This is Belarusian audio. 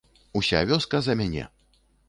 Уся вёска за мяне.